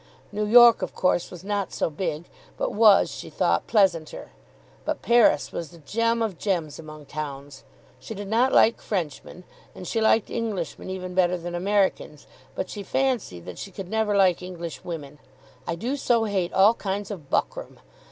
New York of course was not so big, but was, she thought, pleasanter. But Paris was the gem of gems among towns. She did not like Frenchmen, and she liked Englishmen even better than Americans; but she fancied that she could never like English women. "I do so hate all kinds of buckram.